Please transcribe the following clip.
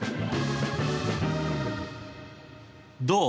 どう？